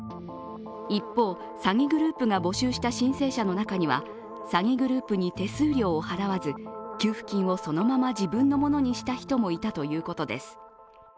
一方、詐欺グループが募集した申請者の中には詐欺グループに手数料を払わず給付金をそのまま自分のものにした人もいたということです。